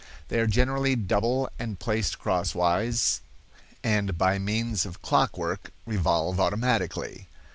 They are generally double and placed crosswise, and by means of clockwork revolve automatically.